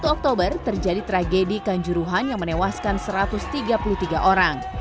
satu oktober terjadi tragedi kanjuruhan yang menewaskan satu ratus tiga puluh tiga orang